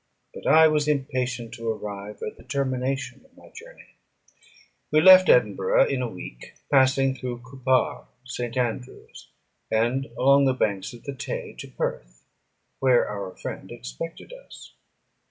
But I was impatient to arrive at the termination of my journey. We left Edinburgh in a week, passing through Coupar, St. Andrew's, and along the banks of the Tay, to Perth, where our friend expected us.